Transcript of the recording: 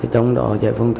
trong đó dạy phòng trọ